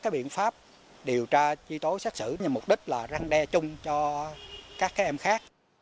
biện pháp điều tra chi tối xét xử nhưng mục đích là răng đe chung cho các em khác